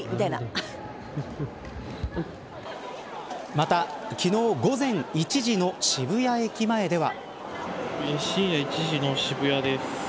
また昨日午前１時の渋谷駅前では。